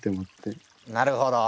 なるほど。